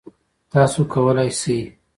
تاسو کولی شئ